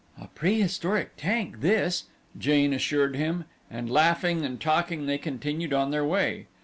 "A prehistoric tank, this," Jane assured him, and laughing and talking they continued on their way.